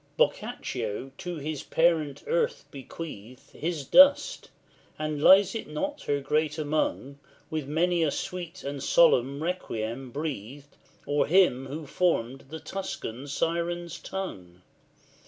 LVIII. Boccaccio to his parent earth bequeathed His dust, and lies it not her great among, With many a sweet and solemn requiem breathed O'er him who formed the Tuscan's siren tongue?